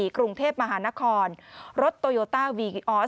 กรุงเทพมหานครรถโตโยต้าวีกีออส